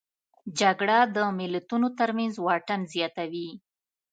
جګړه د ملتونو ترمنځ واټن زیاتوي